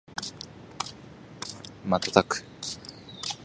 瞬く